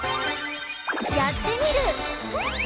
「やってみる。」。